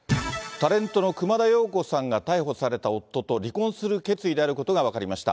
タレントの熊田曜子さんが、逮捕された夫と離婚する決意であることが分かりました。